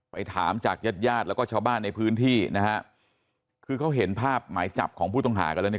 ถามจากญาติญาติแล้วก็ชาวบ้านในพื้นที่นะฮะคือเขาเห็นภาพหมายจับของผู้ต้องหากันแล้วเนี่ย